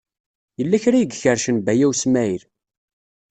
Yella kra ay ikerrcen Baya U Smaɛil.